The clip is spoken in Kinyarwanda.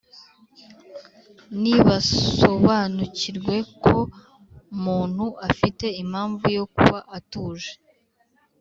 Nibasobanukirwe ko muntu Afite impamvu yo kuba atuje